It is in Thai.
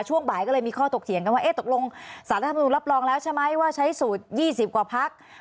ช่วงบ่ายก็เลยมีข้อตกเถียงกันว่าตกลงสารรัฐมนุนรับรองแล้วใช่ไหมว่าใช้สูตร๒๐กว่าพัก